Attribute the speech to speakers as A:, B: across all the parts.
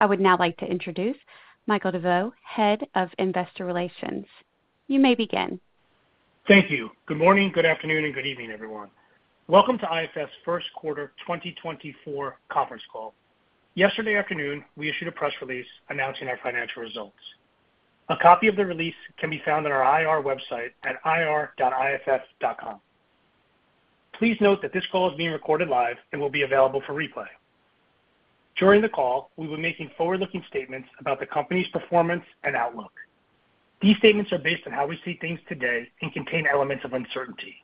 A: I would now like to introduce Michael DeVeau, Head of Investor Relations. You may begin.
B: Thank you. Good morning, good afternoon, and good evening, everyone. Welcome to IFF's first quarter 2024 conference call. Yesterday afternoon, we issued a press release announcing our financial results. A copy of the release can be found on our IR website at ir.iff.com. Please note that this call is being recorded live and will be available for replay. During the call, we will be making forward-looking statements about the company's performance and outlook. These statements are based on how we see things today and contain elements of uncertainty.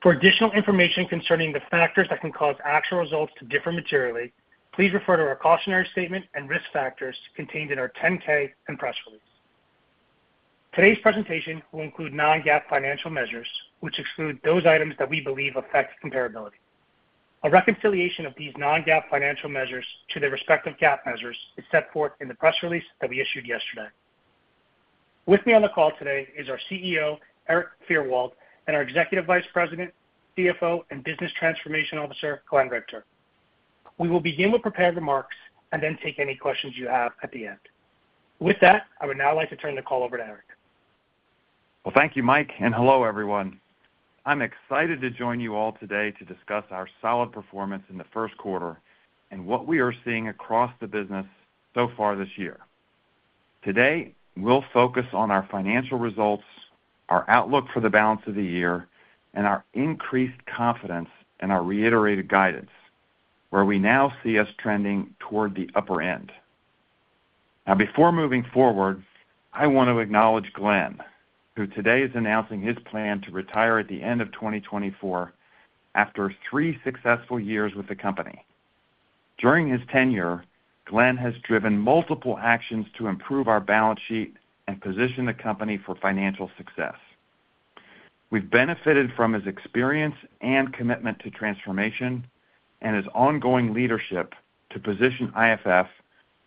B: For additional information concerning the factors that can cause actual results to differ materially, please refer to our cautionary statement and risk factors contained in our 10-K and press release. Today's presentation will include non-GAAP financial measures, which exclude those items that we believe affect comparability. A reconciliation of these non-GAAP financial measures to their respective GAAP measures is set forth in the press release that we issued yesterday. With me on the call today is our CEO, Erik Fyrwald, and our Executive Vice President, CFO, and Business Transformation Officer, Glenn Richter. We will begin with prepared remarks and then take any questions you have at the end. With that, I would now like to turn the call over to Erik.
C: Well, thank you, Mike, and hello, everyone. I'm excited to join you all today to discuss our solid performance in the first quarter and what we are seeing across the business so far this year. Today, we'll focus on our financial results, our outlook for the balance of the year, and our increased confidence in our reiterated guidance, where we now see us trending toward the upper end. Now, before moving forward, I want to acknowledge Glenn, who today is announcing his plan to retire at the end of 2024 after three successful years with the company. During his tenure, Glenn has driven multiple actions to improve our balance sheet and position the company for financial success. We've benefited from his experience and commitment to transformation and his ongoing leadership to position IFF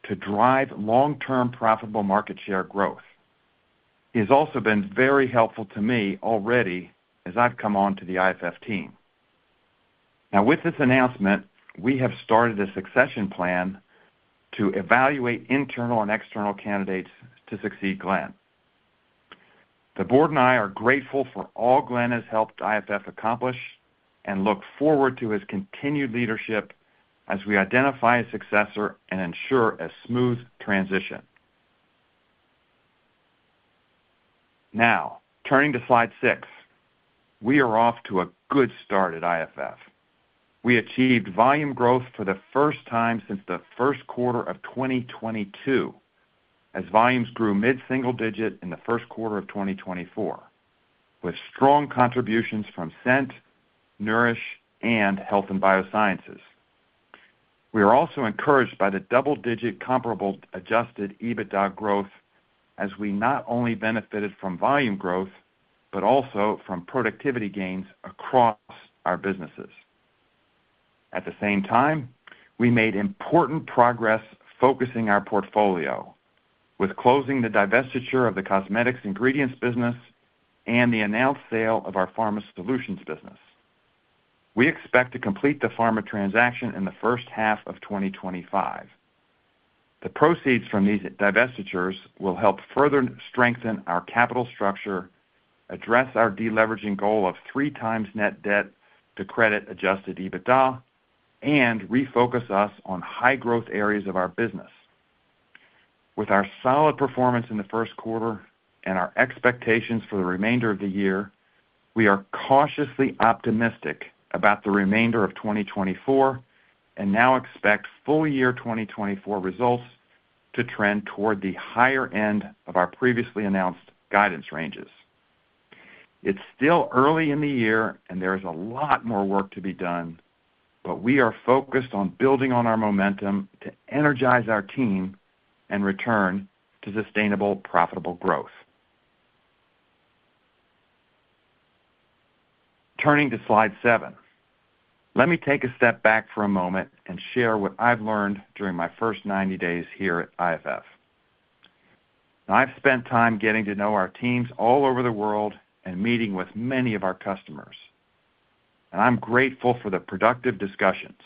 C: to drive long-term profitable market share growth. He has also been very helpful to me already as I've come on to the IFF team. Now, with this announcement, we have started a succession plan to evaluate internal and external candidates to succeed Glenn. The board and I are grateful for all Glenn has helped IFF accomplish and look forward to his continued leadership as we identify a successor and ensure a smooth transition. Now, turning to Slide 6, we are off to a good start at IFF. We achieved volume growth for the first time since the first quarter of 2022, as volumes grew mid-single-digit in the first quarter of 2024, with strong contributions from Scent, Nourish, and Health and Biosciences. We are also encouraged by the double-digit comparable adjusted EBITDA growth as we not only benefited from volume growth, but also from productivity gains across our businesses. At the same time, we made important progress focusing our portfolio, with closing the divestiture of the Cosmetic Ingredients business and the announced sale of our Pharma Solutions business. We expect to complete the Pharma transaction in the first half of 2025. The proceeds from these divestitures will help further strengthen our capital structure, address our deleveraging goal of three times net debt to Credit-Adjusted EBITDA, and refocus us on high-growth areas of our business. With our solid performance in the first quarter and our expectations for the remainder of the year, we are cautiously optimistic about the remainder of 2024 and now expect full year 2024 results to trend toward the higher end of our previously announced guidance ranges. It's still early in the year, and there is a lot more work to be done, but we are focused on building on our momentum to energize our team and return to sustainable, profitable growth. Turning to Slide 7. Let me take a step back for a moment and share what I've learned during my first 90 days here at IFF. I've spent time getting to know our teams all over the world and meeting with many of our customers, and I'm grateful for the productive discussions.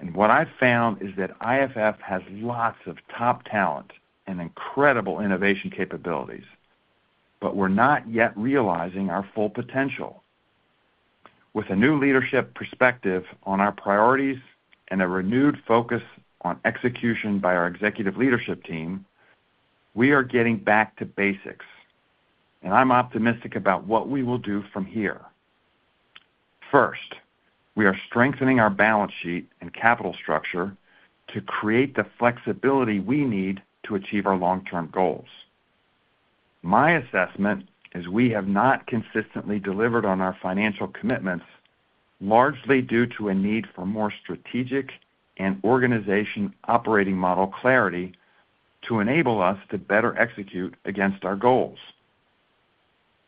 C: And what I've found is that IFF has lots of top talent and incredible innovation capabilities, but we're not yet realizing our full potential. With a new leadership perspective on our priorities and a renewed focus on execution by our executive leadership team, we are getting back to basics, and I'm optimistic about what we will do from here. First, we are strengthening our balance sheet and capital structure to create the flexibility we need to achieve our long-term goals. My assessment is we have not consistently delivered on our financial commitments, largely due to a need for more strategic and organizational operating model clarity to enable us to better execute against our goals.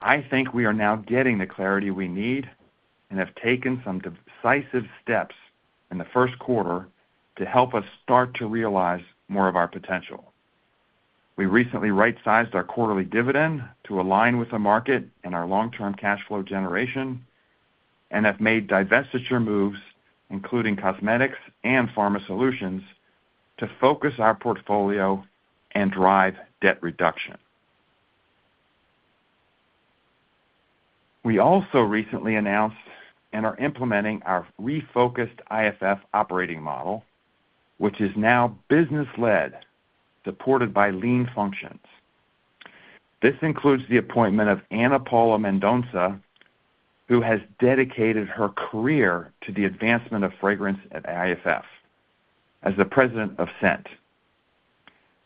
C: I think we are now getting the clarity we need and have taken some decisive steps in the first quarter to help us start to realize more of our potential. We recently right-sized our quarterly dividend to align with the market and our long-term cash flow generation, and have made divestiture moves, including Cosmetics and Pharma Solutions, to focus our portfolio and drive debt reduction. We also recently announced and are implementing our refocused IFF operating model, which is now business-led, supported by lean functions. This includes the appointment of Ana Paula Mendonça, who has dedicated her career to the advancement of fragrance at IFF, as the President of Scent.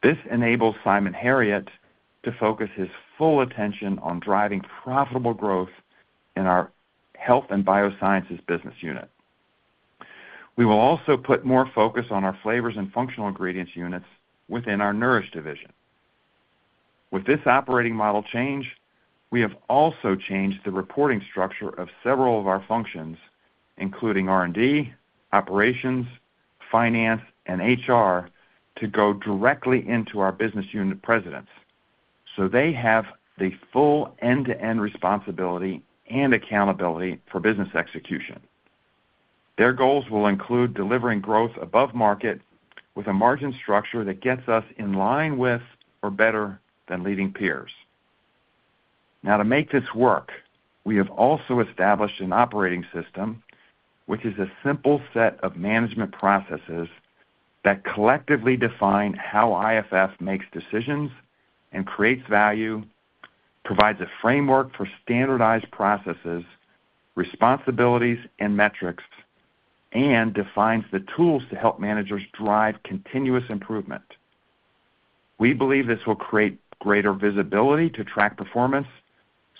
C: This enables Simon Herriott to focus his full attention on driving profitable growth in our Health and Biosciences business unit. We will also put more focus on our Flavors and Functional Ingredients units within our Nourish division. With this operating model change, we have also changed the reporting structure of several of our functions, including R&D, operations, finance, and HR, to go directly into our business unit presidents, so they have the full end-to-end responsibility and accountability for business execution. Their goals will include delivering growth above market, with a margin structure that gets us in line with or better than leading peers. Now, to make this work, we have also established an operating system, which is a simple set of management processes that collectively define how IFF makes decisions and creates value, provides a framework for standardized processes, responsibilities, and metrics, and defines the tools to help managers drive continuous improvement. We believe this will create greater visibility to track performance,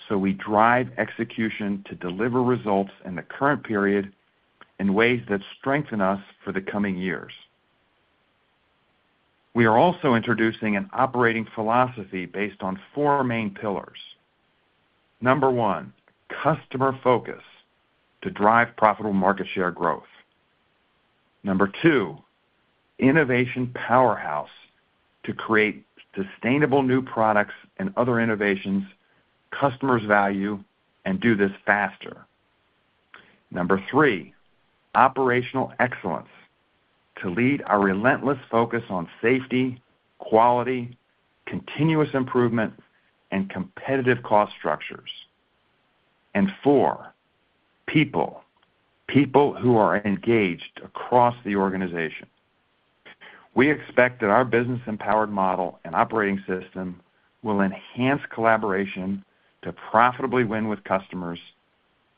C: so we drive execution to deliver results in the current period in ways that strengthen us for the coming years. We are also introducing an operating philosophy based on four main pillars. Number 1, customer focus to drive profitable market share growth. Number 2, innovation powerhouse to create sustainable new products and other innovations customers value, and do this faster. Number 3, operational excellence to lead our relentless focus on safety, quality, continuous improvement, and competitive cost structures. And 4, people, people who are engaged across the organization. We expect that our business-empowered model and operating system will enhance collaboration to profitably win with customers,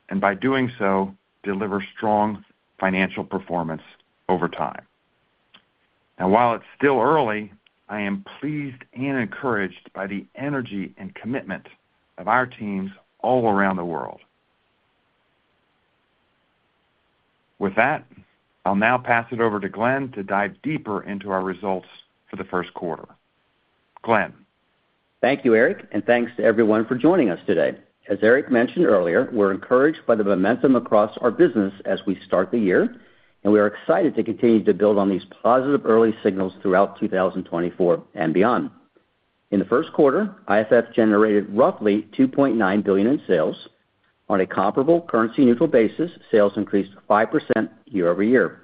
C: and by doing so, deliver strong financial performance over time. While it's still early, I am pleased and encouraged by the energy and commitment of our teams all around the world. With that, I'll now pass it over to Glenn to dive deeper into our results for the first quarter. Glenn?
D: Thank you, Erik, and thanks to everyone for joining us today. As Erik mentioned earlier, we're encouraged by the momentum across our business as we start the year, and we are excited to continue to build on these positive early signals throughout 2024 and beyond. In the first quarter, IFF generated roughly $2.9 billion in sales. On a comparable currency-neutral basis, sales increased 5% year-over-year.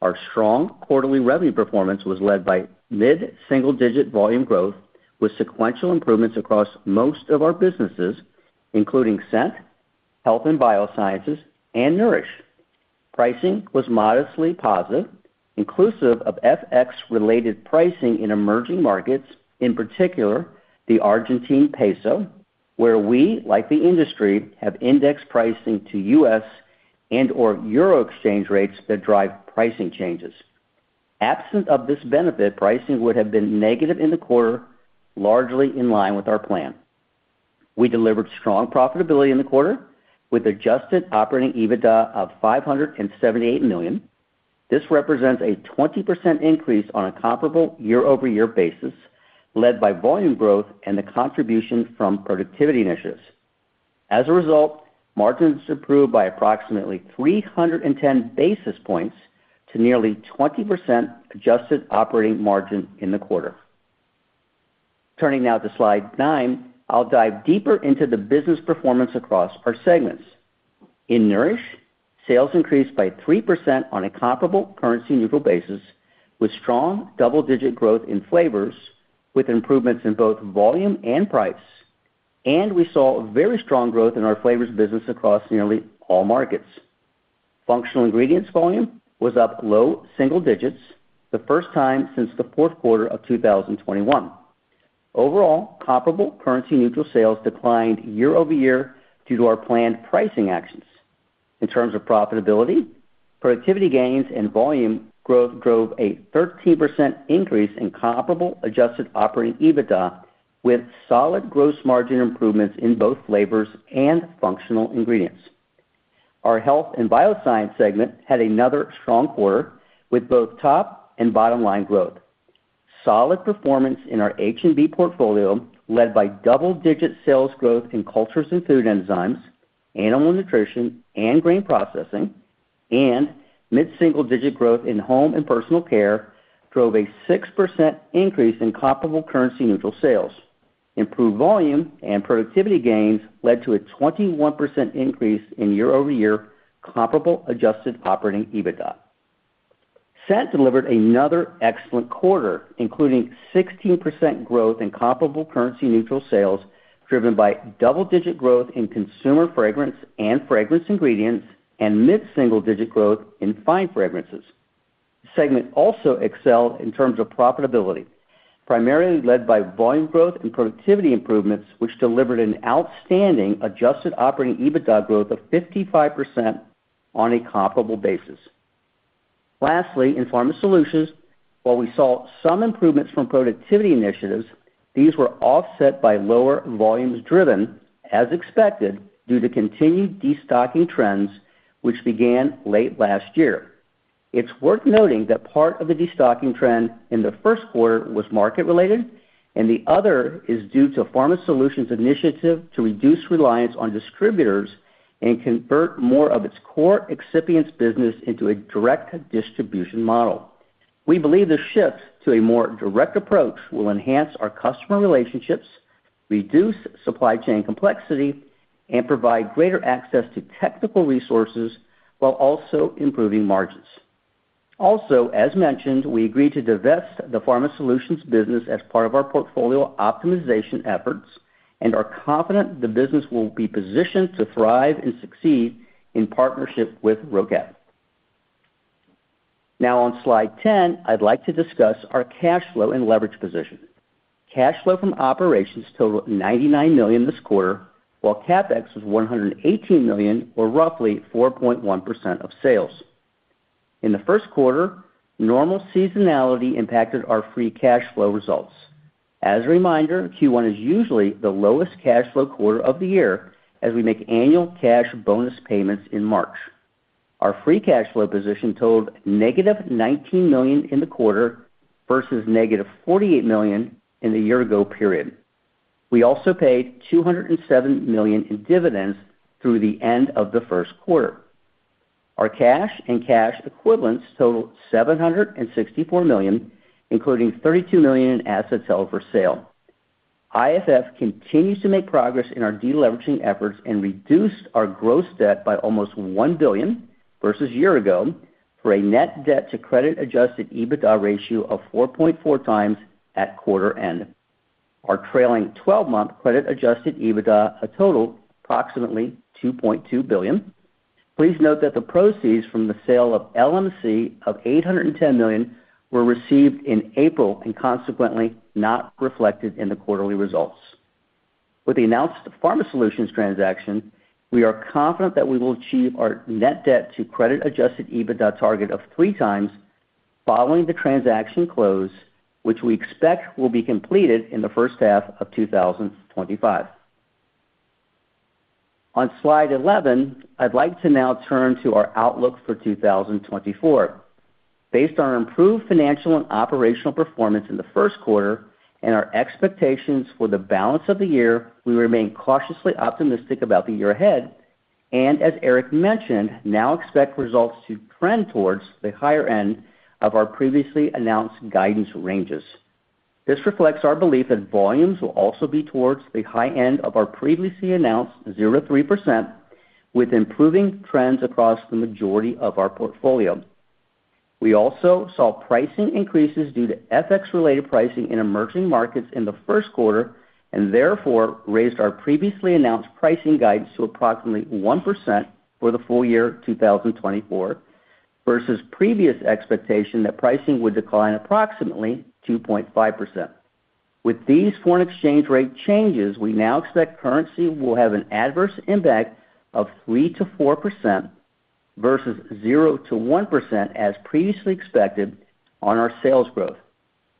D: Our strong quarterly revenue performance was led by mid-single-digit volume growth, with sequential improvements across most of our businesses, including Scent, Health and Biosciences, and Nourish. Pricing was modestly positive, inclusive of FX-related pricing in emerging markets, in particular, the Argentine peso, where we, like the industry, have indexed pricing to U.S. and/or euro exchange rates that drive pricing changes. Absent of this benefit, pricing would have been negative in the quarter, largely in line with our plan. We delivered strong profitability in the quarter, with Adjusted Operating EBITDA of $578 million. This represents a 20% increase on a comparable year-over-year basis, led by volume growth and the contribution from productivity initiatives. As a result, margins improved by approximately 310 basis points to nearly 20% Adjusted Operating Margin in the quarter. Turning now to Slide 9, I'll dive deeper into the business performance across our segments. In Nourish, sales increased by 3% on a comparable currency neutral basis, with strong double-digit growth in Flavors, with improvements in both volume and price. We saw very strong growth in our Flavors business across nearly all markets. Functional Ingredients volume was up low single digits, the first time since the fourth quarter of 2021. Overall, comparable currency-neutral sales declined year-over-year due to our planned pricing actions. In terms of profitability, productivity gains and volume growth drove a 13% increase in comparable Adjusted Operating EBITDA, with solid gross margin improvements in both Flavors and Functional Ingredients. Our Health and Biosciences segment had another strong quarter, with both top- and bottom-line growth. Solid performance in our H&B portfolio, led by double-digit sales growth in Cultures and Food Enzymes, Animal Nutrition, and Grain Processing, and mid-single-digit growth in Home and Personal Care drove a 6% increase in comparable currency-neutral sales. Improved volume and productivity gains led to a 21% increase in year-over-year comparable Adjusted Operating EBITDA. Scent delivered another excellent quarter, including 16% growth in comparable currency-neutral sales, driven by double-digit growth in Consumer Fragrance and Fragrance Ingredients, and mid-single-digit growth in Fine Fragrances. The segment also excelled in terms of profitability, primarily led by volume growth and productivity improvements, which delivered an outstanding Adjusted Operating EBITDA growth of 55% on a comparable basis. Lastly, in Pharma Solutions, while we saw some improvements from productivity initiatives, these were offset by lower volumes driven, as expected, due to continued destocking trends, which began late last year. It's worth noting that part of the destocking trend in the first quarter was market-related, and the other is due to Pharma Solutions' initiative to reduce reliance on distributors and convert more of its core excipients business into a direct distribution model. We believe this shift to a more direct approach will enhance our customer relationships, reduce supply chain complexity, and provide greater access to technical resources while also improving margins. Also, as mentioned, we agreed to divest the Pharma Solutions business as part of our portfolio optimization efforts and are confident the business will be positioned to thrive and succeed in partnership with Roquette. Now, on Slide 10, I'd like to discuss our cash flow and leverage position. Cash flow from operations totaled $99 million this quarter, while CapEx was $118 million, or roughly 4.1% of sales. In the first quarter, normal seasonality impacted our free cash flow results. As a reminder, Q1 is usually the lowest cash flow quarter of the year, as we make annual cash bonus payments in March. Our free cash flow position totaled -$19 million in the quarter versus -$48 million in the year-ago period. We also paid $207 million in dividends through the end of the first quarter. Our cash and cash equivalents totaled $764 million, including $32 million in assets held for sale. IFF continues to make progress in our deleveraging efforts and reduced our gross debt by almost $1 billion versus year ago, for a net debt to Credit-Adjusted EBITDA ratio of 4.4x at quarter end. Our trailing 12-month Credit-Adjusted EBITDA total approximately $2.2 billion. Please note that the proceeds from the sale of LMC of $810 million were received in April and, consequently, not reflected in the quarterly results. With the announced Pharma Solutions transaction, we are confident that we will achieve our net debt to Credit-Adjusted EBITDA target of 3x following the transaction close, which we expect will be completed in the first half of 2025. On Slide 11, I'd like to now turn to our outlook for 2024. Based on our improved financial and operational performance in the first quarter and our expectations for the balance of the year, we remain cautiously optimistic about the year ahead and, as Erik mentioned, now expect results to trend towards the higher end of our previously announced guidance ranges. This reflects our belief that volumes will also be towards the high end of our previously announced 0%-3%, with improving trends across the majority of our portfolio. We also saw pricing increases due to FX-related pricing in emerging markets in the first quarter, and therefore raised our previously announced pricing guidance to approximately 1% for the full year 2024, versus previous expectation that pricing would decline approximately 2.5%. With these foreign exchange rate changes, we now expect currency will have an adverse impact of 3%-4% versus 0%-1%, as previously expected, on our sales growth,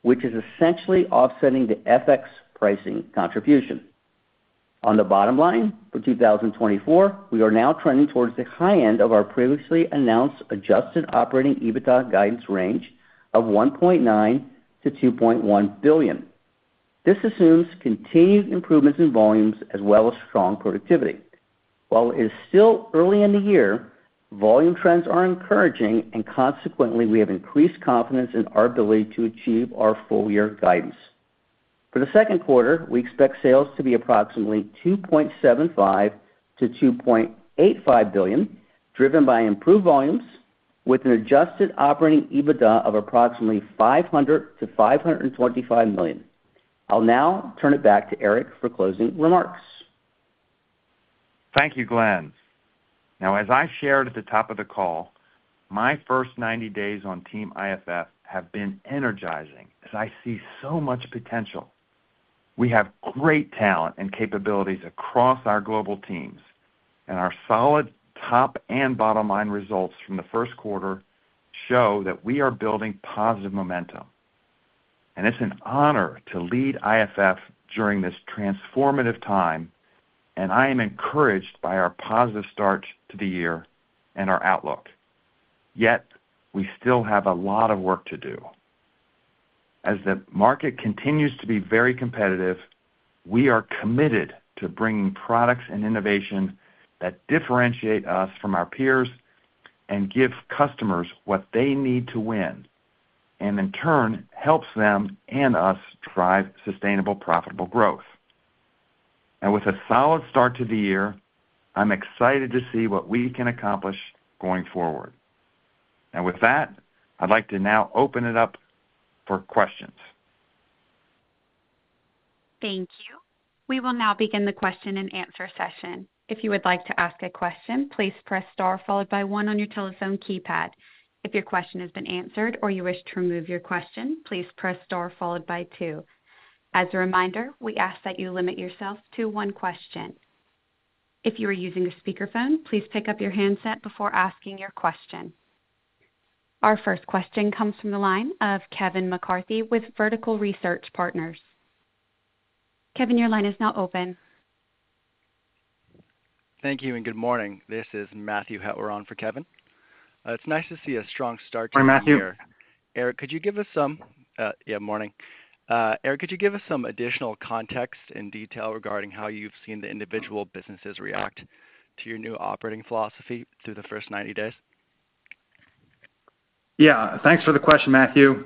D: which is essentially offsetting the FX pricing contribution. On the bottom line, for 2024, we are now trending towards the high end of our previously announced Adjusted Operating EBITDA guidance range of $1.9 billion-$2.1 billion. This assumes continued improvements in volumes as well as strong productivity. While it is still early in the year, volume trends are encouraging, and consequently, we have increased confidence in our ability to achieve our full-year guidance. For the second quarter, we expect sales to be approximately $2.75-$2.85 billion, driven by improved volumes with an Adjusted Operating EBITDA of approximately $500-$525 million. I'll now turn it back to Erik for closing remarks.
C: Thank you, Glenn. Now, as I shared at the top of the call, my first 90 days on Team IFF have been energizing as I see so much potential. We have great talent and capabilities across our global teams, and our solid top and bottom line results from the first quarter show that we are building positive momentum. And it's an honor to lead IFF during this transformative time, and I am encouraged by our positive start to the year and our outlook. Yet, we still have a lot of work to do. As the market continues to be very competitive, we are committed to bringing products and innovation that differentiate us from our peers and give customers what they need to win, and in turn, helps them and us drive sustainable, profitable growth. With a solid start to the year, I'm excited to see what we can accomplish going forward. With that, I'd like to now open it up for questions.
A: Thank you. We will now begin the question-and-answer session. If you would like to ask a question, please press star followed by one on your telephone keypad. If your question has been answered or you wish to remove your question, please press star followed by two. As a reminder, we ask that you limit yourself to one question. If you are using a speakerphone, please pick up your handset before asking your question. Our first question comes from the line of Kevin McCarthy with Vertical Research Partners. Kevin, your line is now open.
E: Thank you, and good morning. This is Matthew Hettwer on for Kevin. It's nice to see a strong start to the year.
C: Hi, Matthew.
E: Erik, could you give us some... Yeah, morning. Erik, could you give us some additional context and detail regarding how you've seen the individual businesses react to your new operating philosophy through the first 90 days?
C: Yeah, thanks for the question, Matthew.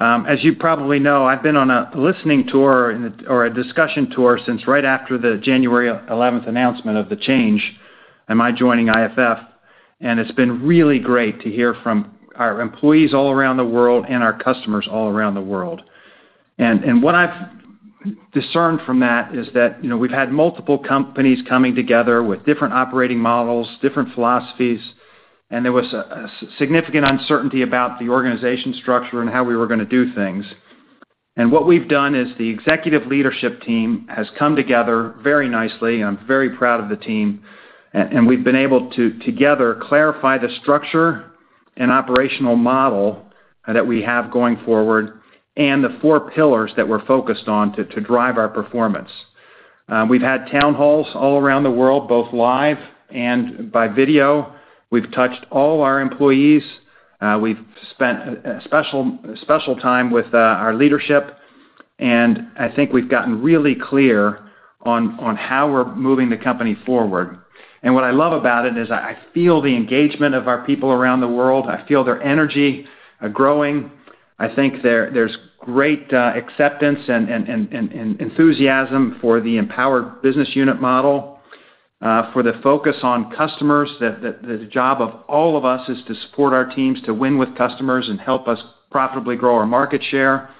C: As you probably know, I've been on a listening tour or a discussion tour since right after the January eleventh announcement of the change and my joining IFF, and it's been really great to hear from our employees all around the world and our customers all around the world. And what I've discerned from that is that, you know, we've had multiple companies coming together with different operating models, different philosophies, and there was a significant uncertainty about the organization structure and how we were gonna do things. And what we've done is the executive leadership team has come together very nicely, and I'm very proud of the team. And we've been able to, together, clarify the structure and operational model that we have going forward and the four pillars that we're focused on to drive our performance. We've had town halls all around the world, both live and by video. We've touched all our employees. We've spent a special, special time with our leadership, and I think we've gotten really clear on how we're moving the company forward. And what I love about it is I feel the engagement of our people around the world. I feel their energy growing. I think there's great acceptance and enthusiasm for the empowered business unit model, for the focus on customers. That the job of all of us is to support our teams, to win with customers and help us profitably grow our market share,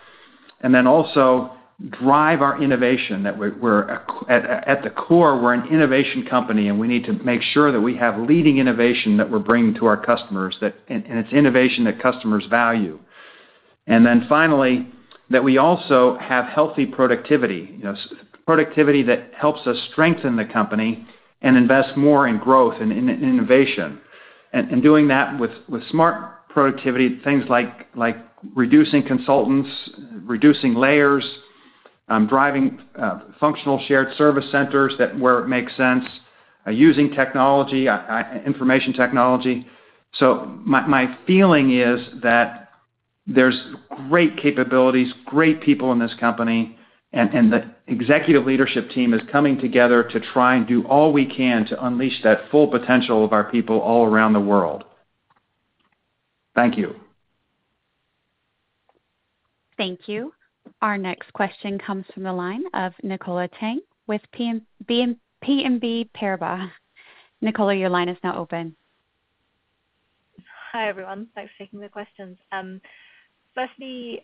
C: and then also drive our innovation. That we're at the core, we're an innovation company, and we need to make sure that we have leading innovation that we're bringing to our customers, that it's innovation that customers value. And then finally, that we also have healthy productivity. You know, productivity that helps us strengthen the company and invest more in growth and in innovation. And doing that with smart productivity, things like reducing consultants, reducing layers, driving functional shared service centers where it makes sense, using technology, information technology. So my feeling is that there's great capabilities, great people in this company, and the executive leadership team is coming together to try and do all we can to unleash that full potential of our people all around the world. Thank you.
A: Thank you. Our next question comes from the line of Nicola Tang with BNP Paribas. Nicola, your line is now open.
F: Hi, everyone. Thanks for taking the questions. Firstly,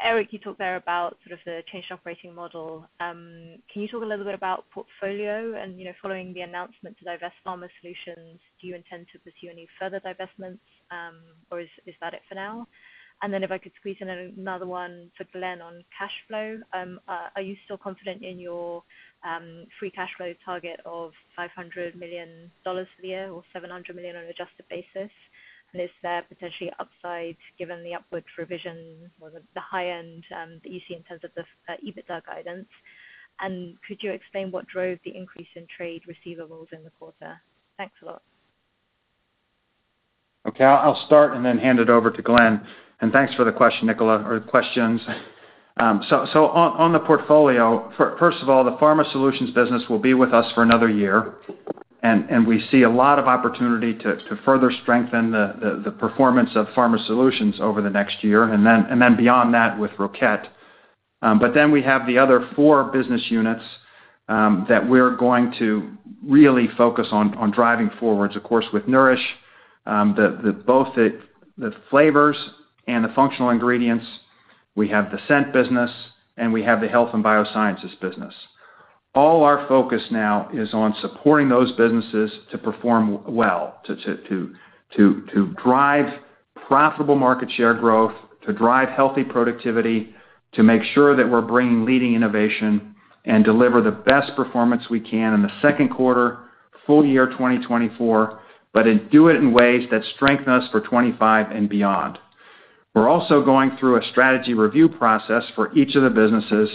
F: Erik, you talked there about sort of the changed operating model. Can you talk a little bit about portfolio and, you know, following the announcement to divest Pharma Solutions, do you intend to pursue any further divestments, or is that it for now? And then if I could squeeze in another one for Glenn on cash flow. Are you still confident in your free cash flow target of $500 million for the year or $700 million on an adjusted basis? And is there potentially upside, given the upward revision or the high end that you see in terms of the EBITDA guidance? And could you explain what drove the increase in trade receivables in the quarter? Thanks a lot.
C: Okay. I'll start and then hand it over to Glenn. And thanks for the question, Nicola, or the questions. So on the portfolio, first of all, the Pharma Solutions business will be with us for another year, and we see a lot of opportunity to further strengthen the performance of Pharma Solutions over the next year, and then beyond that with Roquette. But then we have the other four business units that we're going to really focus on driving forward. Of course, with Nourish, both the flavors and the functional ingredients, we have the scent business, and we have the Health and biosciences business. All our focus now is on supporting those businesses to perform well, to drive profitable market share growth, to drive healthy productivity, to make sure that we're bringing leading innovation, and deliver the best performance we can in the second quarter, full year 2024, but then do it in ways that strengthen us for 2025 and beyond. We're also going through a strategy review process for each of the businesses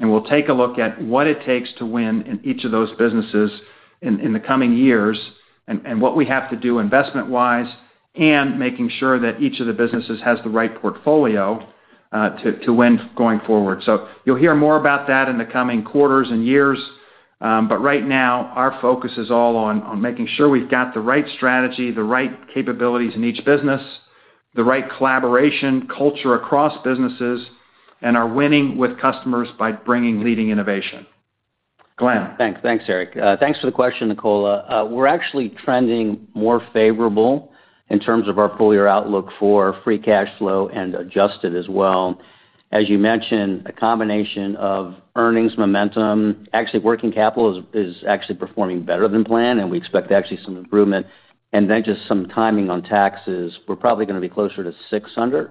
C: and we'll take a look at what it takes to win in each of those businesses in the coming years, and what we have to do investment-wise, and making sure that each of the businesses has the right portfolio, to win going forward. So you'll hear more about that in the coming quarters and years. Right now, our focus is all on making sure we've got the right strategy, the right capabilities in each business, the right collaboration culture across businesses, and are winning with customers by bringing leading innovation. Glenn?
D: Thanks. Thanks, Erik. Thanks for the question, Nicola. We're actually trending more favorable in terms of our full year outlook for free cash flow and adjusted as well. As you mentioned, a combination of earnings momentum, actually, working capital is, is actually performing better than planned, and we expect actually some improvement, and then just some timing on taxes. We're probably gonna be closer to $600 million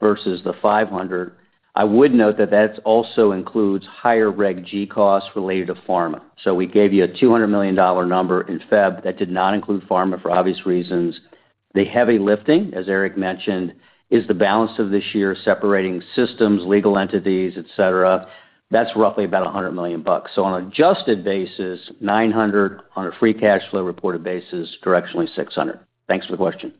D: versus the $500 million. I would note that that also includes higher Reg G costs related to pharma. So we gave you a $200 million number in February that did not include pharma, for obvious reasons. The heavy lifting, as Erik mentioned, is the balance of this year, separating systems, legal entities, et cetera. That's roughly about $100 million bucks. So on an adjusted basis, $900 million, on a free cash flow reported basis, directionally, $600 million. Thanks for the question.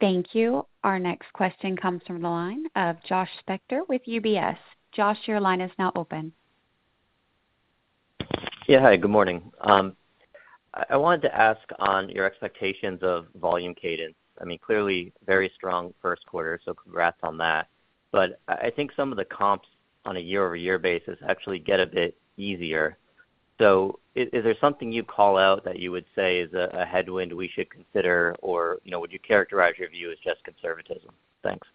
A: Thank you. Our next question comes from the line of Josh Spector with UBS. Josh, your line is now open.
G: Yeah, hi, good morning. I wanted to ask on your expectations of volume cadence. I mean, clearly, very strong first quarter, so congrats on that. But I think some of the comps on a year-over-year basis actually get a bit easier. So is there something you call out that you would say is a headwind we should consider, or, you know, would you characterize your view as just conservatism? Thanks.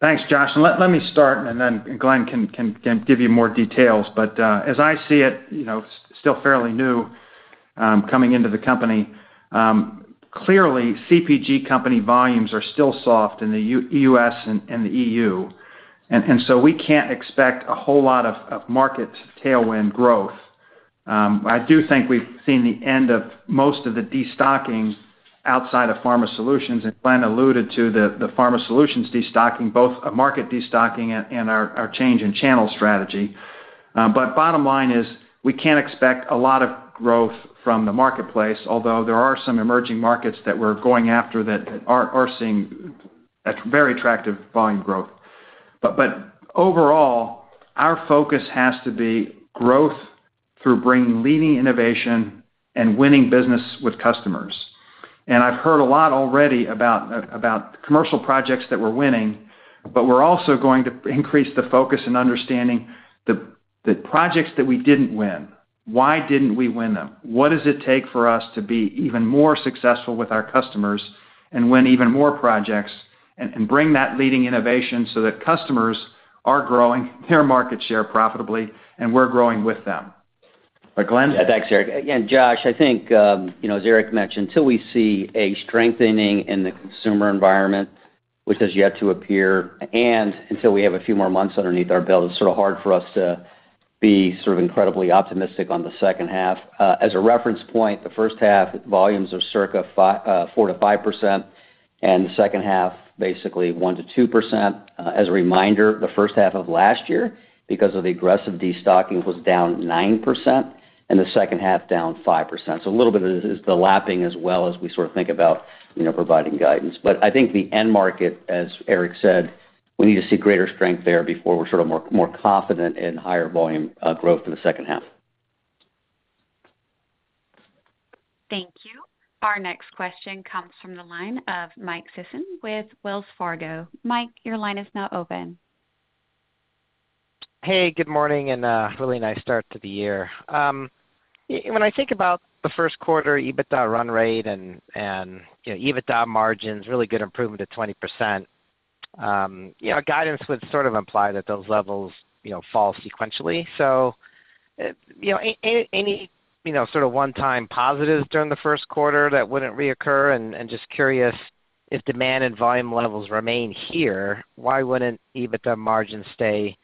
C: Thanks, Josh. And let me start, and then Glenn can give you more details. But as I see it, you know, still fairly new, coming into the company, clearly, CPG company volumes are still soft in the U.S. and the EU. And so we can't expect a whole lot of market tailwind growth. I do think we've seen the end of most of the destocking outside of Pharma Solutions, and Glenn alluded to the Pharma Solutions destocking, both a market destocking and our change in channel strategy. But bottom line is, we can't expect a lot of growth from the marketplace, although there are some emerging markets that we're going after that are seeing a very attractive volume growth. But overall, our focus has to be growth through bringing leading innovation and winning business with customers. And I've heard a lot already about about commercial projects that we're winning, but we're also going to increase the focus in understanding the projects that we didn't win. Why didn't we win them? What does it take for us to be even more successful with our customers and win even more projects and bring that leading innovation so that customers are growing their market share profitably, and we're growing with them. Glenn?
D: Yeah. Thanks, Erik. Again, Josh, I think, you know, as Erik mentioned, till we see a strengthening in the Consumer environment, which is yet to appear, and until we have a few more months underneath our belt, it's sort of hard for us to be sort of incredibly optimistic on the second half. As a reference point, the first half volumes are circa 4%-5%, and the second half, basically, 1%-2%. As a reminder, the first half of last year, because of the aggressive destocking, was down 9%, and the second half down 5%. So a little bit of this is the lapping as well as we sort of think about, you know, providing guidance. But I think the end market, as Erik said, we need to see greater strength there before we're sort of more, more confident in higher volume growth in the second half.
A: Thank you. Our next question comes from the line of Mike Sison with Wells Fargo. Mike, your line is now open.
H: Hey, good morning, and really nice start to the year. When I think about the first quarter, EBITDA run rate and, you know, EBITDA margins, really good improvement at 20%. You know, our guidance would sort of imply that those levels, you know, fall sequentially. So, you know, any, you know, sort of one-time positives during the first quarter that wouldn't reoccur? And just curious, if demand and volume levels remain here, why wouldn't EBITDA margins stay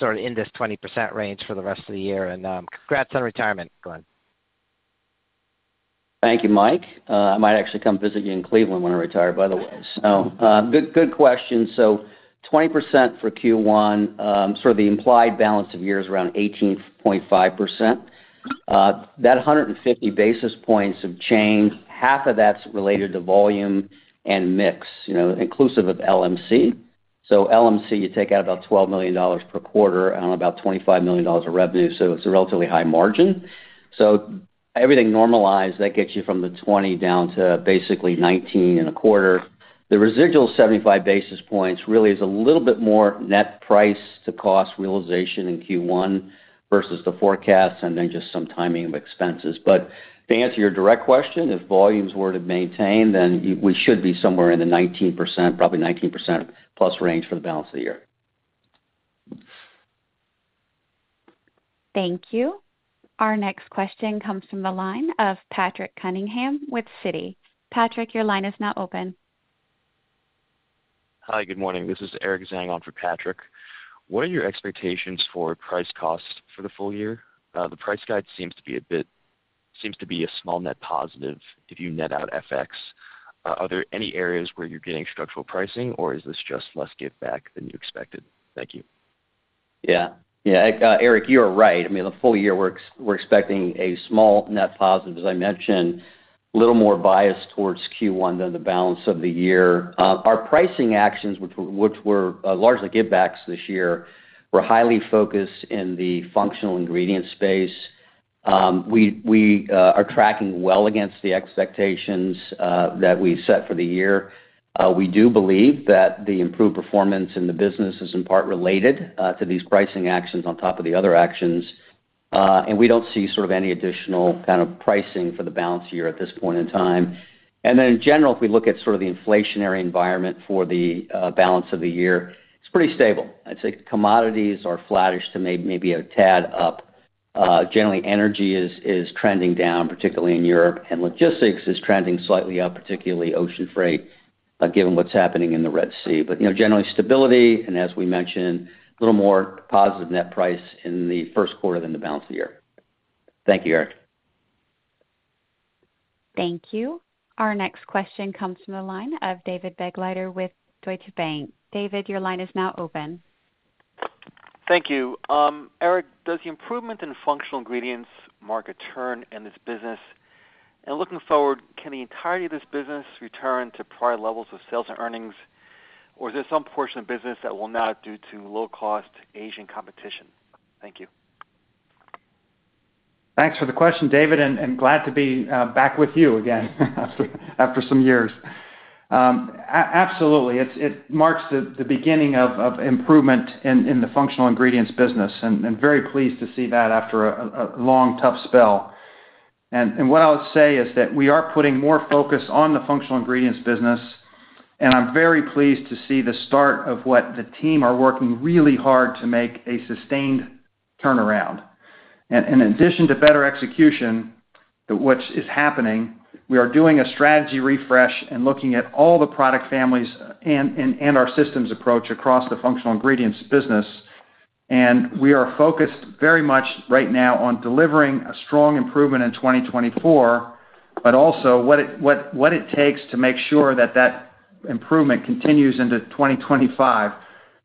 H: sort of in this 20% range for the rest of the year? And congrats on retirement, Glenn.
D: Thank you, Mike. I might actually come visit you in Cleveland when I retire, by the way. So, good, good question. So 20% for Q1, sort of the implied balance of year is around 18.5%. That 150 basis points of change, half of that's related to volume and mix, you know, inclusive of LMC. So LMC, you take out about $12 million per quarter on about $25 million of revenue, so it's a relatively high margin. So everything normalized, that gets you from the 20 down to basically 19.25. The residual 75 basis points really is a little bit more net price to cost realization in Q1 versus the forecast, and then just some timing of expenses. But to answer your direct question, if volumes were to maintain, then we should be somewhere in the 19%, probably 19% plus range for the balance of the year.
A: Thank you. Our next question comes from the line of Patrick Cunningham with Citi. Patrick, your line is now open.
I: Hi, good morning. This is Eric Zhang on for Patrick. What are your expectations for price cost for the full year? The price guide seems to be a small net positive if you net out FX. Are there any areas where you're getting structural pricing, or is this just less giveback than you expected? Thank you.
D: Yeah. Yeah, Eric, you are right. I mean, the full year, we're expecting a small net positive, as I mentioned, little more biased towards Q1 than the balance of the year. Our pricing actions, which, which were largely give backs this year, were highly focused in the functional ingredient space. We are tracking well against the expectations that we've set for the year. We do believe that the improved performance in the business is in part related to these pricing actions on top of the other actions. And we don't see sort of any additional kind of pricing for the balance year at this point in time. And then in general, if we look at sort of the inflationary environment for the balance of the year, it's pretty stable. I'd say commodities are flattish to maybe a tad up. Uh, generally, energy is trending down, particularly in Europe, and logistics is trending slightly up, particularly ocean freight, given what's happening in the Red Sea. But, you know, generally stability, and as we mentioned, a little more positive net price in the first quarter than the balance of the year. Thank you, Erik.
A: Thank you. Our next question comes from the line of David Begleiter with Deutsche Bank. David, your line is now open.
J: Thank you. Erik, does the improvement in functional ingredients mark a turn in this business? And looking forward, can the entirety of this business return to prior levels of sales and earnings, or is there some portion of business that will not due to low-cost Asian competition? Thank you.
C: Thanks for the question, David, and glad to be back with you again, after some years. Absolutely. It marks the beginning of improvement in the functional ingredients business, and very pleased to see that after a long, tough spell. What I'll say is that we are putting more focus on the functional ingredients business, and I'm very pleased to see the start of what the team are working really hard to make a sustained turnaround. In addition to better execution, which is happening, we are doing a strategy refresh and looking at all the product families and our systems approach across the functional ingredients business. We are focused very much right now on delivering a strong improvement in 2024, but also what it takes to make sure that that improvement continues into 2025,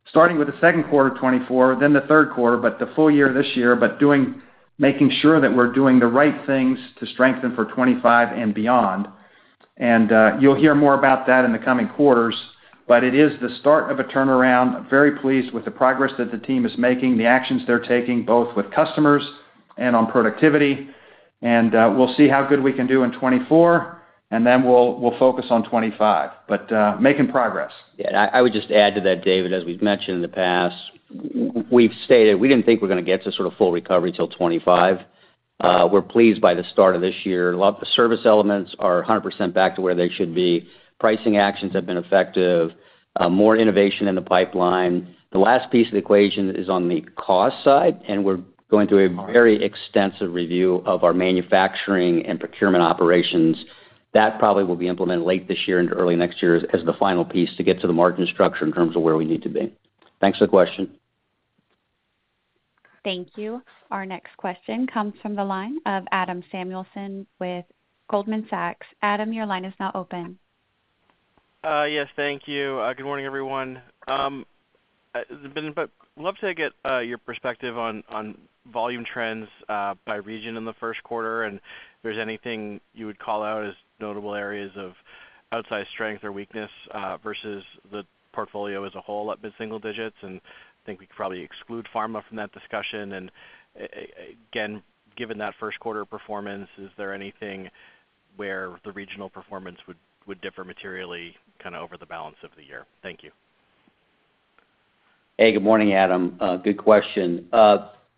C: starting with the second quarter of 2024, then the third quarter, but the full year this year, but doing, making sure that we're doing the right things to strengthen for 2025 and beyond. And, you'll hear more about that in the coming quarters, but it is the start of a turnaround. Very pleased with the progress that the team is making, the actions they're taking, both with customers and on productivity. And, we'll see how good we can do in 2024, and then we'll, we'll focus on 2025, but, making progress.
D: Yeah, and I would just add to that, David, as we've mentioned in the past, we've stated we didn't think we're gonna get to sort of full recovery till 2025. We're pleased by the start of this year. A lot of the service elements are 100% back to where they should be. Pricing actions have been effective, more innovation in the pipeline. The last piece of the equation is on the cost side, and we're going through a very extensive review of our manufacturing and procurement operations. That probably will be implemented late this year into early next year as the final piece to get to the margin structure in terms of where we need to be. Thanks for the question.
A: Thank you. Our next question comes from the line of Adam Samuelson with Goldman Sachs. Adam, your line is now open.
K: Yes, thank you. Good morning, everyone. But love to get your perspective on volume trends by region in the first quarter, and if there's anything you would call out as notable areas of outside strength or weakness versus the portfolio as a whole, up mid-single digits, and I think we could probably exclude pharma from that discussion. And again, given that first quarter performance, is there anything where the regional performance would differ materially kind of over the balance of the year? Thank you.
D: Hey, good morning, Adam. Good question.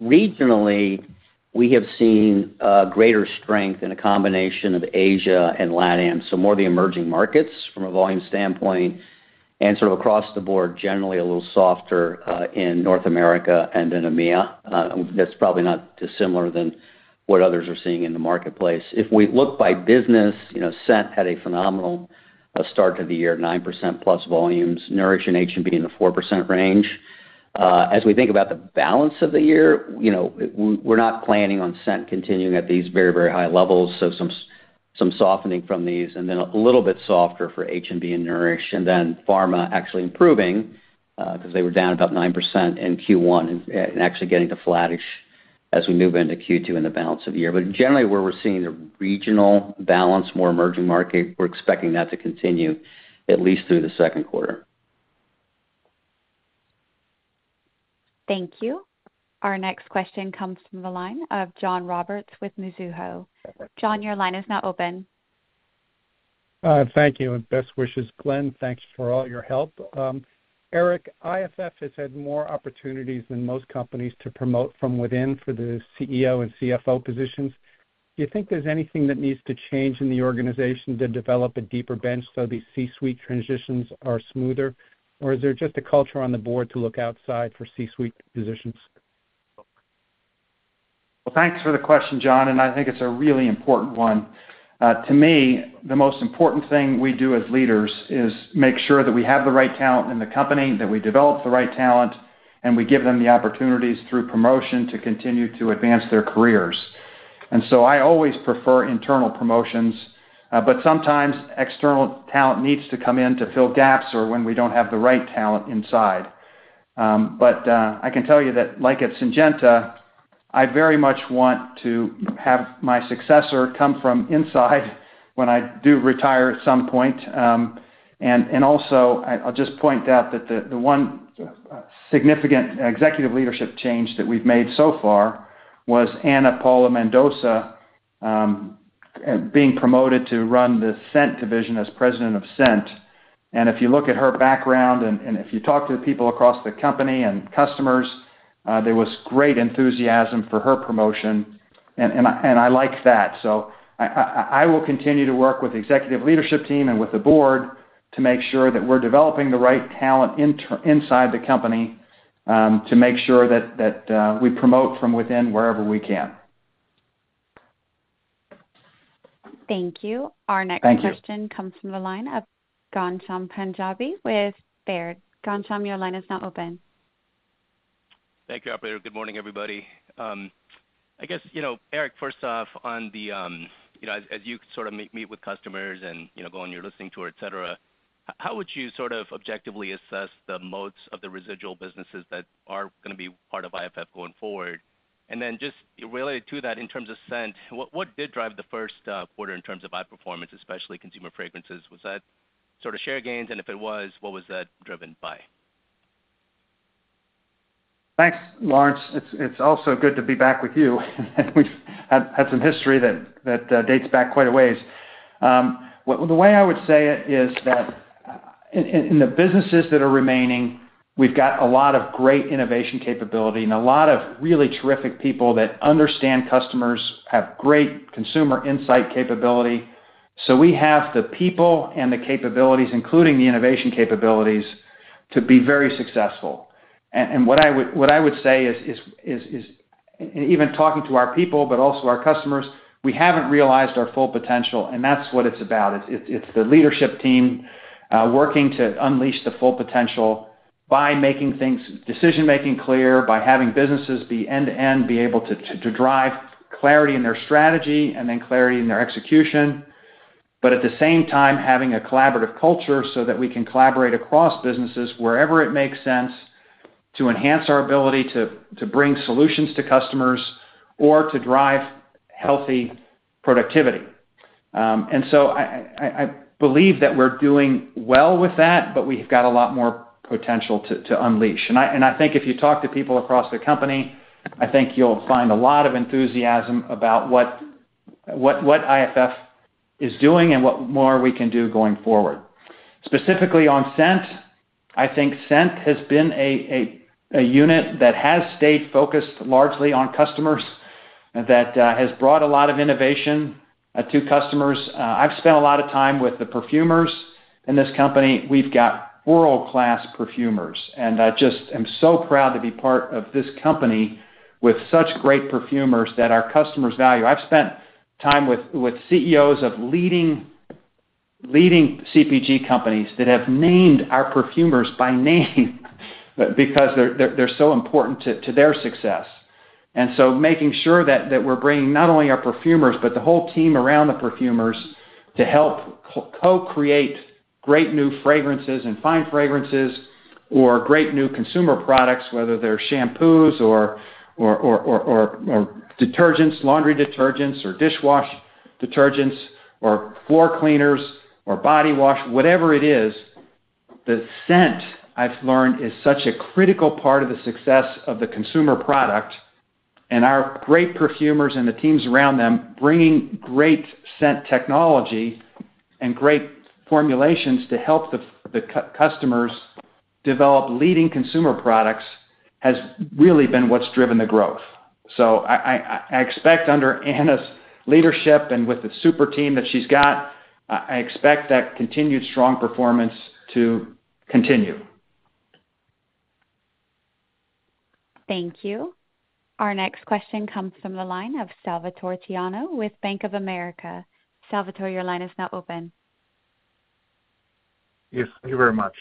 D: Regionally, we have seen greater strength in a combination of Asia and LATAM, so more of the emerging markets from a volume standpoint, and sort of across the board, generally a little softer in North America and in EMEA. That's probably not dissimilar than what others are seeing in the marketplace. If we look by business, you know, Scent had a phenomenal start to the year, 9%+ volumes, Nourish and H&B in the 4% range. As we think about the balance of the year, you know, we're not planning on Scent continuing at these very, very high levels, so some softening from these, and then a little bit softer for H&B and Nourish. And then Pharma actually improving, 'cause they were down about 9% in Q1 and actually getting to flattish as we move into Q2 in the balance of the year. But generally, where we're seeing a regional balance, more emerging market, we're expecting that to continue at least through the second quarter.
A: Thank you. Our next question comes from the line of John Roberts with Mizuho. John, your line is now open.
L: Thank you, and best wishes, Glenn. Thanks for all your help. Erik, IFF has had more opportunities than most companies to promote from within for the CEO and CFO positions. Do you think there's anything that needs to change in the organization to develop a deeper bench so these C-suite transitions are smoother, or is there just a culture on the board to look outside for C-suite positions?
C: Well, thanks for the question, John, and I think it's a really important one. To me, the most important thing we do as leaders is make sure that we have the right talent in the company, that we develop the right talent, and we give them the opportunities through promotion to continue to advance their careers. And so I always prefer internal promotions, but sometimes external talent needs to come in to fill gaps or when we don't have the right talent inside. But I can tell you that like at Syngenta, I very much want to have my successor come from inside when I do retire at some point. And also, I'll just point out that the one significant executive leadership change that we've made so far was Ana Paula Mendonça being promoted to run the Scent division as President of Scent. And if you look at her background, and if you talk to the people across the company and customers, there was great enthusiasm for her promotion, and I like that. So I will continue to work with the executive leadership team and with the board to make sure that we're developing the right talent inside the company, to make sure that we promote from within wherever we can.
A: Thank you.
C: Thank you.
A: Our next question comes from the line of Ghansham Panjabi with Baird. Ghansham, your line is now open.
M: Thank you, operator. Good morning, everybody. I guess, you know, Erik, first off, on the, you know, as, as you sort of meet, meet with customers and, you know, go on your listening tour, et cetera, how would you sort of objectively assess the moods of the residual businesses that are gonna be part of IFF going forward? And then just related to that, in terms of Scent, what, what did drive the first quarter in terms of outperformance, especially Consumer Fragrances? Was that sort of share gains? And if it was, what was that driven by?
C: Thanks, Ghansham. It's also good to be back with you. And we've had some history that dates back quite a ways. Well, the way I would say it is that in the businesses that are remaining, we've got a lot of great innovation capability and a lot of really terrific people that understand customers, have great consumer insight capability. So we have the people and the capabilities, including the innovation capabilities, to be very successful. And what I would say is even talking to our people, but also our customers, we haven't realized our full potential, and that's what it's about. It's the leadership team working to unleash the full potential by making things decision-making clear, by having businesses be end-to-end, be able to drive clarity in their strategy and then clarity in their execution. But at the same time, having a collaborative culture so that we can collaborate across businesses wherever it makes sense to enhance our ability to bring solutions to customers or to drive healthy productivity. I believe that we're doing well with that, but we've got a lot more potential to unleash. And I think if you talk to people across the company, I think you'll find a lot of enthusiasm about what IFF is doing and what more we can do going forward. Specifically on Scent, I think Scent has been a unit that has stayed focused largely on customers, that has brought a lot of innovation to customers. I've spent a lot of time with the perfumers in this company. We've got world-class perfumers, and I just am so proud to be part of this company with such great perfumers that our customers value. I've spent time with CEOs of leading CPG companies that have named our perfumers by name, because they're so important to their success. And so making sure that we're bringing not only our perfumers, but the whole team around the perfumers to help co-create great new fragrances and Fine Fragrances or great new Consumer products, whether they're shampoos or detergents, laundry detergents or dishwash detergents or floor cleaners or body wash, whatever it is, the scent, I've learned, is such a critical part of the success of the Consumer product. And our great perfumers and the teams around them, bringing great scent technology and great formulations to help the customers develop leading Consumer products, has really been what's driven the growth. So I expect under Ana's leadership and with the super team that she's got, I expect that continued strong performance to continue.
A: Thank you. Our next question comes from the line of Salvator Tiano with Bank of America. Salvator, your line is now open.
N: Yes, thank you very much.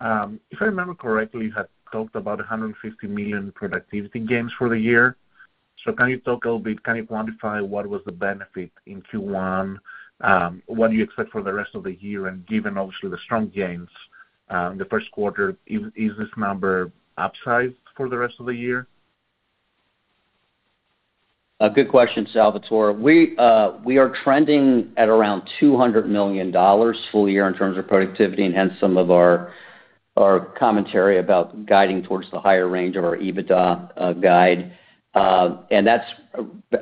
N: If I remember correctly, you had talked about $150 million productivity gains for the year. So can you talk a little bit, can you quantify what was the benefit in Q1? What do you expect for the rest of the year? And given, obviously, the strong gains in the first quarter, is this number upside for the rest of the year?
D: A good question, Salvatore. We are trending at around $200 million full year in terms of productivity, and hence some of our commentary about guiding towards the higher range of our EBITDA guide. And that's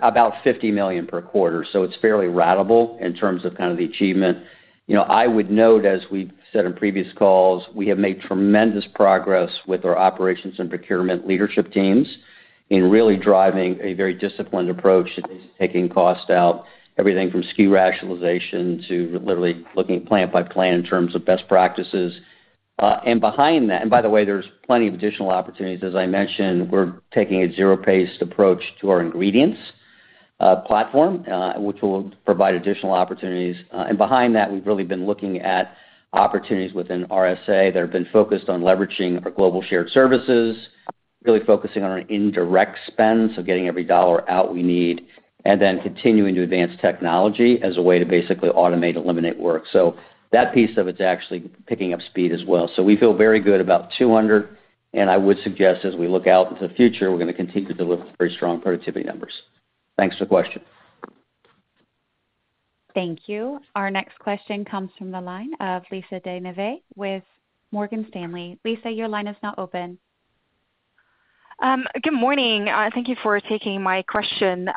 D: about $50 million per quarter, so it's fairly ratable in terms of kind of the achievement. You know, I would note, as we've said in previous calls, we have made tremendous progress with our operations and procurement leadership teams in really driving a very disciplined approach to taking cost out, everything from SKU rationalization to literally looking plant by plant in terms of best practices. And behind that. And by the way, there's plenty of additional opportunities. As I mentioned, we're taking a zero-based approach to our ingredients platform, which will provide additional opportunities. And behind that, we've really been looking at opportunities within RSA that have been focused on leveraging our global shared services, really focusing on our indirect spend, so getting every dollar out we need, and then continuing to advance technology as a way to basically automate, eliminate work. So that piece of it's actually picking up speed as well. So we feel very good about $200, and I would suggest as we look out into the future, we're gonna continue to deliver very strong productivity numbers. Thanks for the question.
A: Thank you. Our next question comes from the line of Lisa De Neve with Morgan Stanley. Lisa, your line is now open.
O: Good morning, thank you for taking my question.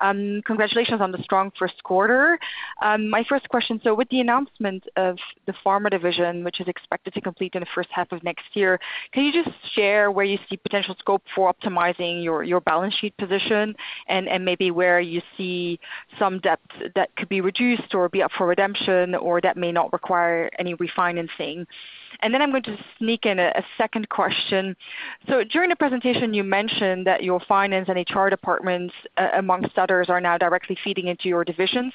O: Congratulations on the strong first quarter. My first question: so with the announcement of the pharma division, which is expected to complete in the first half of next year, can you just share where you see potential scope for optimizing your balance sheet position and maybe where you see some debt that could be reduced or be up for redemption or that may not require any refinancing? And then I'm going to sneak in a second question. So during the presentation, you mentioned that your finance and HR departments, amongst others, are now directly feeding into your divisions.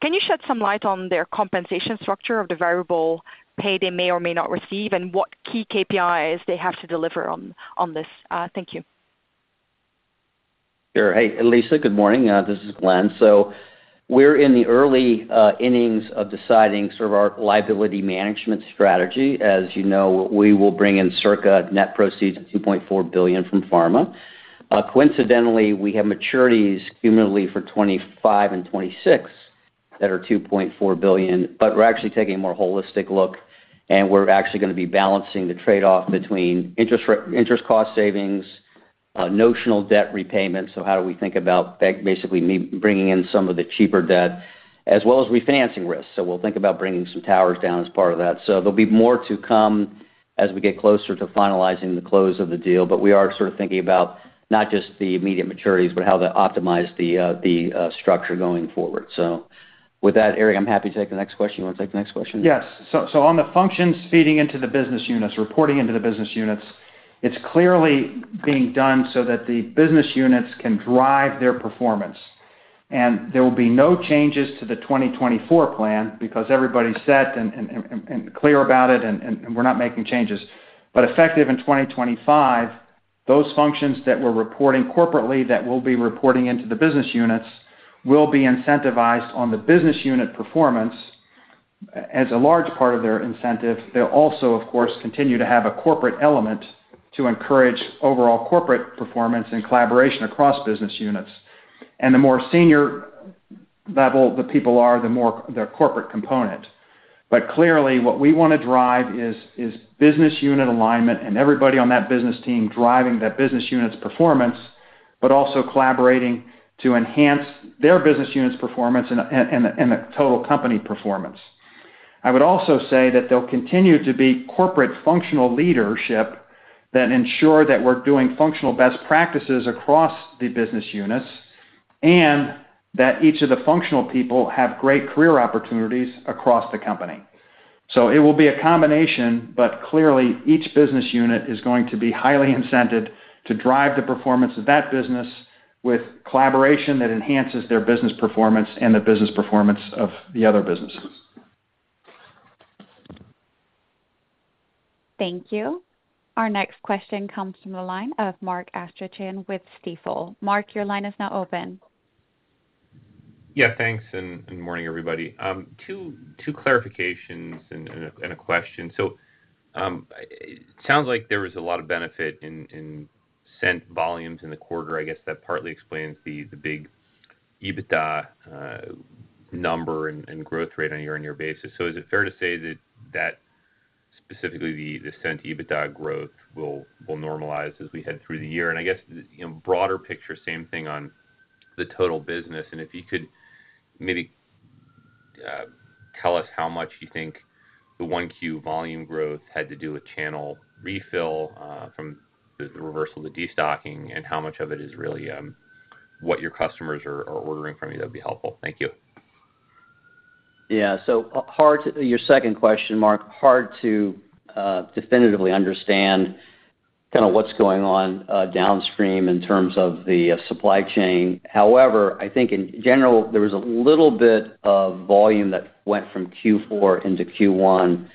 O: Can you shed some light on their compensation structure of the variable pay they may or may not receive, and what key KPIs they have to deliver on this? Thank you.
D: Sure. Hey, Lisa, good morning, this is Glenn. So we're in the early innings of deciding sort of our liability management strategy. As you know, we will bring in circa net proceeds of $2.4 billion from Pharma. Coincidentally, we have maturities cumulatively for 2025 and 2026 that are $2.4 billion, but we're actually taking a more holistic look, and we're actually gonna be balancing the trade-off between interest cost savings, notional debt repayment, so how do we think about bank basically need bringing in some of the cheaper debt, as well as refinancing risks? So we'll think about bringing some towers down as part of that. So there'll be more to come as we get closer to finalizing the close of the deal, but we are sort of thinking about not just the immediate maturities, but how to optimize the structure going forward. So with that, Erik, I'm happy to take the next question. You wanna take the next question?
C: Yes. So on the functions feeding into the business units, reporting into the business units, it's clearly being done so that the business units can drive their performance. And there will be no changes to the 2024 plan, because everybody's set and clear about it, and we're not making changes. But effective in 2025, those functions that we're reporting corporately that will be reporting into the business units, will be incentivized on the business unit performance as a large part of their incentive. They'll also, of course, continue to have a corporate element to encourage overall corporate performance and collaboration across business units. And the more senior level the people are, the more the corporate component. But clearly, what we wanna drive is business unit alignment, and everybody on that business team driving that business unit's performance, but also collaborating to enhance their business unit's performance and the total company performance. I would also say that there'll continue to be corporate functional leadership that ensure that we're doing functional best practices across the business units, and that each of the functional people have great career opportunities across the company. So it will be a combination, but clearly, each business unit is going to be highly incented to drive the performance of that business with collaboration that enhances their business performance and the business performance of the other businesses.
A: Thank you. Our next question comes from the line of Mark Astrachan with Stifel. Mark, your line is now open.
P: Yeah, thanks, and morning, everybody. Two clarifications and a question. So, it sounds like there was a lot of benefit in Scent volumes in the quarter. I guess that partly explains the big EBITDA number and growth rate on a year-on-year basis. So is it fair to say that specifically, the Scent EBITDA growth will normalize as we head through the year? And I guess, you know, broader picture, same thing on the total business, and if you could maybe tell us how much you think the 1Q volume growth had to do with channel refill from the reversal of the destocking, and how much of it is really what your customers are ordering from you, that'd be helpful. Thank you.
D: Yeah, so your second question, Mark, hard to definitively understand kind of what's going on downstream in terms of the supply chain. However, I think in general, there was a little bit of volume that went from Q4 into Q1,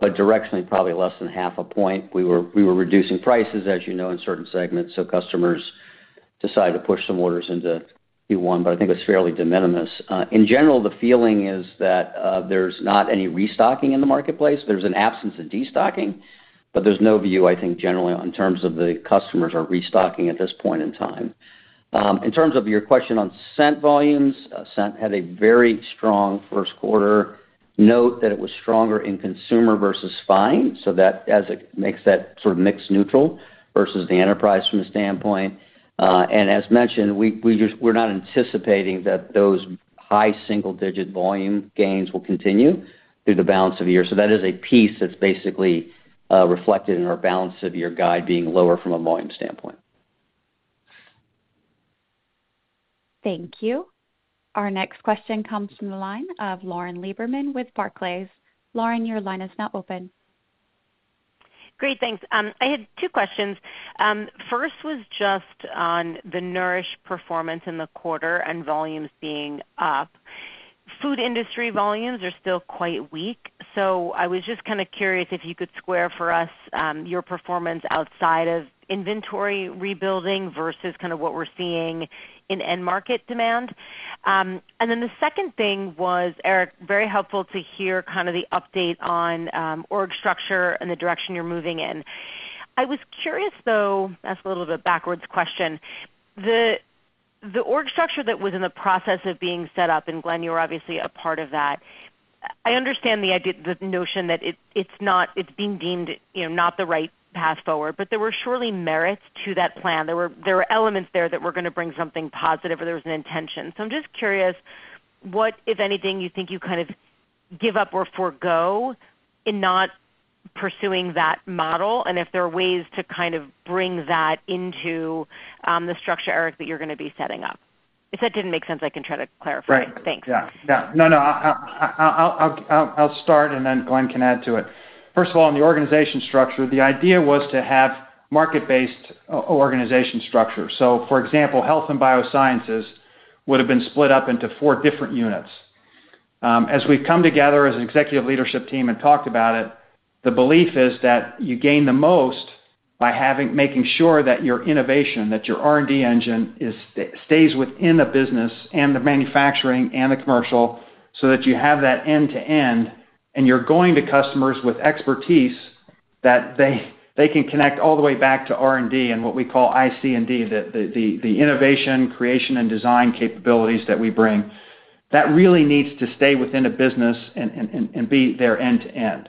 D: but directionally, probably less than half a point. We were reducing prices, as you know, in certain segments, so customers decided to push some orders into Q1, but I think it's fairly de minimis. In general, the feeling is that there's not any restocking in the marketplace. There's an absence of destocking, but there's no view, I think, generally, in terms of the customers are restocking at this point in time. In terms of your question on Scent volumes, Scent had a very strong first quarter. Note that it was stronger in Consumer versus Scent, so that, as it makes that sort of mix neutral versus the enterprise from a standpoint. And as mentioned, we're not anticipating that those high single-digit volume gains will continue through the balance of the year. So that is a piece that's basically reflected in our balance of the year guide being lower from a volume standpoint.
A: Thank you. Our next question comes from the line of Lauren Lieberman with Barclays. Lauren, your line is now open.
Q: Great, thanks. I had two questions. First was just on the Nourish performance in the quarter and volumes being up. Food industry volumes are still quite weak, so I was just kind of curious if you could square for us, your performance outside of inventory rebuilding versus kind of what we're seeing in end market demand. And then the second thing was, Erik, very helpful to hear kind of the update on, org structure and the direction you're moving in. I was curious, though, ask a little bit backwards question. The, the org structure that was in the process of being set up, and Glenn, you were obviously a part of that. I understand the idea, the notion that it, it's not-- it's being deemed, you know, not the right path forward, but there were surely merits to that plan. There were, there were elements there that were gonna bring something positive, or there was an intention. So I'm just curious, what, if anything, you think you kind of give up or forego in not pursuing that model? And if there are ways to kind of bring that into the structure, Erik, that you're gonna be setting up. If that didn't make sense, I can try to clarify.
C: Right.
Q: Thanks.
C: Yeah, yeah. No, no, I'll start, and then Glenn can add to it. First of all, in the organization structure, the idea was to have a market-based organization structure. So for example, Health and Biosciences would have been split up into four different units. As we've come together as an executive leadership team and talked about it, the belief is that you gain the most by making sure that your innovation, that your R&D engine stays within the business and the manufacturing and the commercial, so that you have that end-to-end, and you're going to customers with expertise that they can connect all the way back to R&D and what we call IC&D, the Innovation, Creation, and Design capabilities that we bring. That really needs to stay within a business and be there end to end.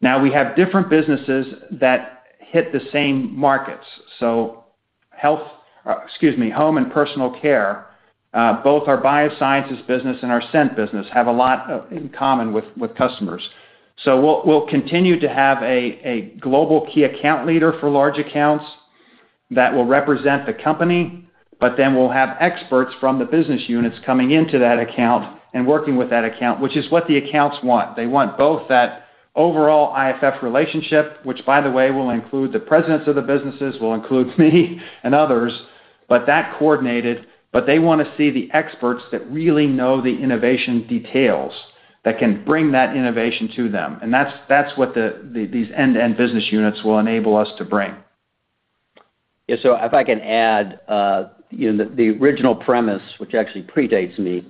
C: Now, we have different businesses that hit the same markets. So Health, excuse me, Home and Personal Care, both our biosciences business and our Scent business, have a lot of in common with customers. So we'll continue to have a global key account leader for large accounts that will represent the company, but then we'll have experts from the business units coming into that account and working with that account, which is what the accounts want. They want both that overall IFF relationship, which, by the way, will include the presidents of the businesses, will include me and others, but that coordinated. But they wanna see the experts that really know the innovation details, that can bring that innovation to them, and that's what these end-to-end business units will enable us to bring.
D: Yeah, so if I can add, you know, the original premise, which actually predates me,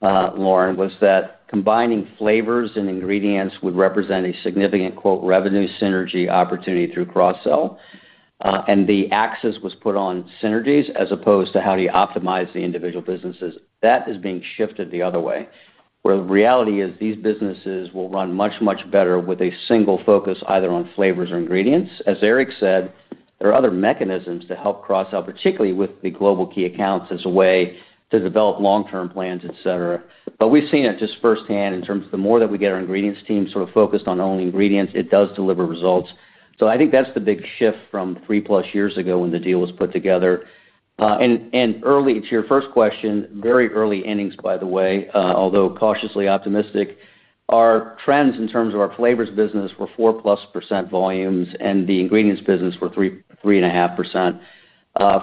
D: Lauren, was that combining flavors and ingredients would represent a significant, quote, "revenue synergy opportunity through cross-sell." And the axis was put on synergies as opposed to how do you optimize the individual businesses. That is being shifted the other way, where the reality is, these businesses will run much, much better with a single focus, either on flavors or ingredients. As Erik said, there are other mechanisms to help cross-sell, particularly with the global key accounts, as a way to develop long-term plans, et cetera. But we've seen it just firsthand in terms of the more that we get our ingredients team sort of focused on only ingredients, it does deliver results. So I think that's the big shift from three plus years ago when the deal was put together. And early, to your first question, very early innings, by the way, although cautiously optimistic, our trends in terms of our flavors business were 4+% volumes, and the ingredients business were 3%-3.5%.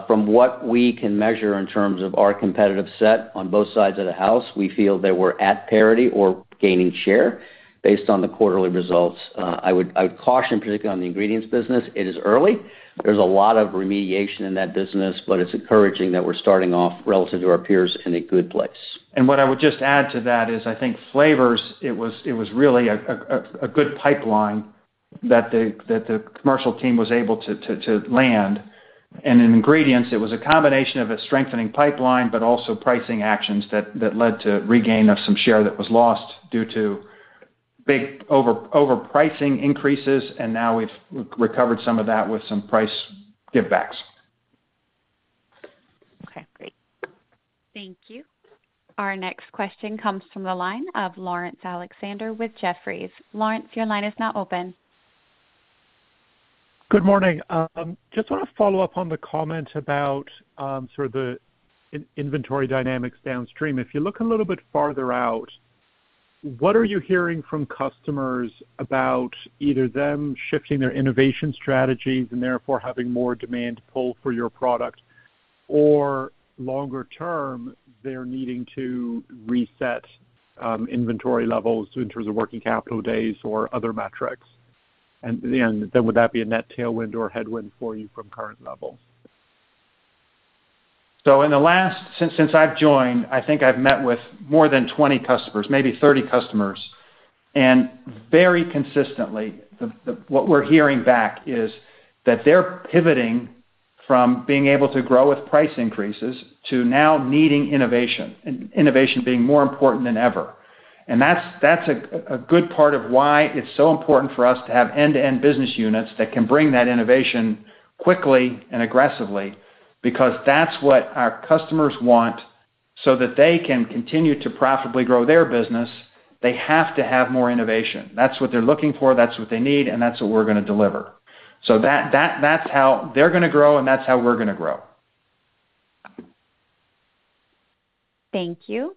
D: From what we can measure in terms of our competitive set on both sides of the house, we feel that we're at parity or gaining share based on the quarterly results. I would caution, particularly on the ingredients business, it is early. There's a lot of remediation in that business, but it's encouraging that we're starting off relative to our peers in a good place.
C: What I would just add to that is, I think flavors, it was really a good pipeline that the commercial team was able to land. And in ingredients, it was a combination of a strengthening pipeline, but also pricing actions that led to regain of some share that was lost due to big overpricing increases, and now we've recovered some of that with some price givebacks.
Q: Okay, great.
A: Thank you. Our next question comes from the line of Lawrence Alexander with Jefferies. Lawrence, your line is now open.
R: Good morning. Just wanna follow up on the comment about sort of the inventory dynamics downstream. If you look a little bit farther out, what are you hearing from customers about either them shifting their innovation strategies and therefore having more demand pull for your product, or longer term, they're needing to reset inventory levels in terms of working capital days or other metrics? And then would that be a net tailwind or headwind for you from current levels?
C: Since I've joined, I think I've met with more than 20 customers, maybe 30 customers, and very consistently, the what we're hearing back is that they're pivoting from being able to grow with price increases to now needing innovation, and innovation being more important than ever. And that's a good part of why it's so important for us to have end-to-end business units that can bring that innovation quickly and aggressively, because that's what our customers want so that they can continue to profitably grow their business, they have to have more innovation. That's what they're looking for, that's what they need, and that's what we're gonna deliver. So that's how they're gonna grow, and that's how we're gonna grow.
A: Thank you.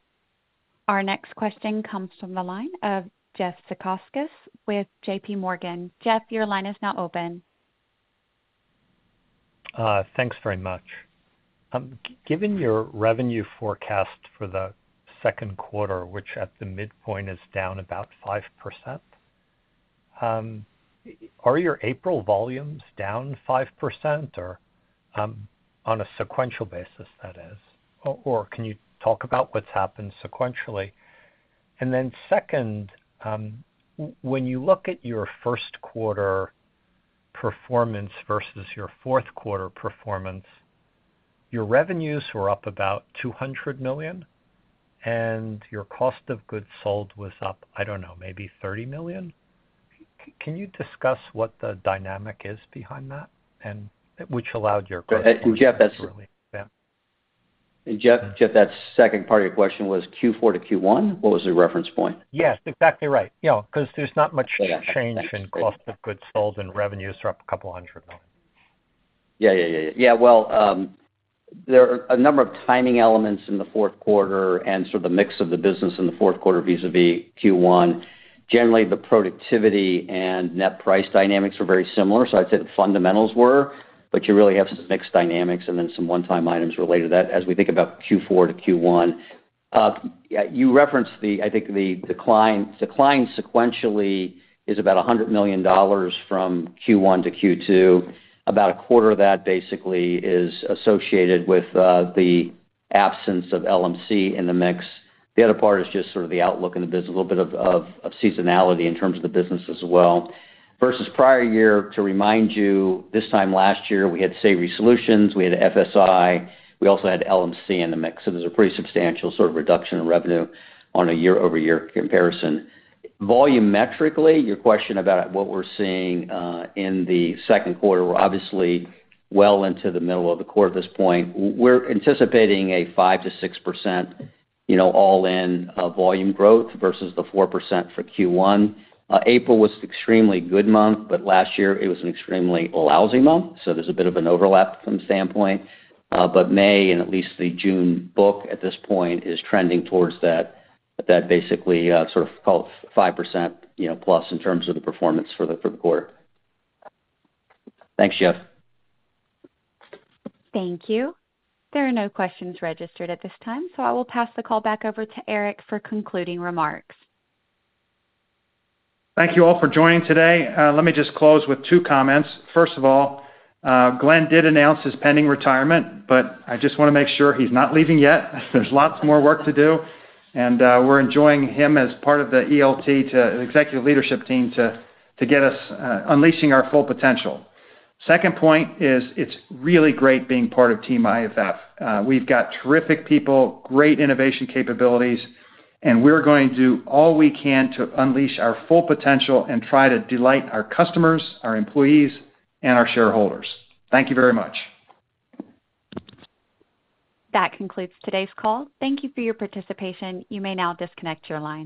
A: Our next question comes from the line of Jeffrey Zekauskas with JPMorgan. Jeff, your line is now open.
S: Thanks very much. Given your revenue forecast for the second quarter, which at the midpoint is down about 5%, are your April volumes down 5% or, on a sequential basis, that is? Or, can you talk about what's happened sequentially? And then second, when you look at your first quarter performance versus your fourth quarter performance, your revenues were up about $200 million, and your cost of goods sold was up, I don't know, maybe $30 million. Can you discuss what the dynamic is behind that, and which allowed your growth?
D: Jeff, that's-
S: Yeah.
D: Jeff, Jeff, that second part of your question was Q4 to Q1? What was the reference point?
S: Yes, exactly right. Yeah, 'cause there's not much change-
D: Yeah.
S: In cost of goods sold, and revenues are up $200 million.
D: Yeah, yeah, yeah. Yeah, well, there are a number of timing elements in the fourth quarter and sort of the mix of the business in the fourth quarter vis-a-vis Q1. Generally, the productivity and net price dynamics were very similar, so I'd say the fundamentals were, but you really have some mix dynamics and then some one-time items related to that as we think about Q4 to Q1. Yeah, you referenced the... I think the decline sequentially is about $100 million from Q1 to Q2. About a quarter of that basically is associated with the absence of LMC in the mix. The other part is just sort of the outlook in the business, a little bit of seasonality in terms of the business as well. Versus prior year, to remind you, this time last year, we had Savory Solutions, we had FSI, we also had LMC in the mix, so there's a pretty substantial sort of reduction in revenue on a year-over-year comparison. Volumetrically, your question about what we're seeing in the second quarter, we're obviously well into the middle of the quarter at this point. We're anticipating a 5%-6%, you know, all-in, volume growth versus the 4% for Q1. April was an extremely good month, but last year it was an extremely lousy month, so there's a bit of an overlap from standpoint. But May, and at least the June book at this point, is trending towards that, that basically, sort of call it 5%, you know, plus in terms of the performance for the quarter. Thanks, Jeff.
A: Thank you. There are no questions registered at this time, so I will pass the call back over to Erik for concluding remarks.
C: Thank you all for joining today. Let me just close with two comments. First of all, Glenn did announce his pending retirement, but I just wanna make sure he's not leaving yet. There's lots more work to do, and we're enjoying him as part of the ELT, Executive Leadership Team, to, to get us unleashing our full potential. Second point is, it's really great being part of Team IFF. We've got terrific people, great innovation capabilities, and we're going to do all we can to unleash our full potential and try to delight our customers, our employees, and our shareholders. Thank you very much.
A: That concludes today's call. Thank you for your participation. You may now disconnect your line.